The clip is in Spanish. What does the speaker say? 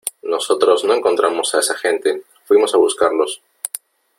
nosotros no encontramos a esa gente , fuimos a buscarlos .